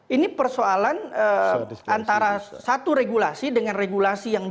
ini persoalan antara satu regulasi dengan regulasi yang berbeda